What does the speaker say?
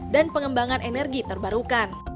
dan pengembangan energi terbarukan